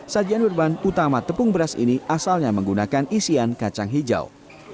sajian berbahan utama tepung beras ini asalnya menggunakan isian kacang hijau